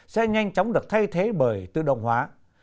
sẽ nhanh chóng được thay thế bởi tự động hóa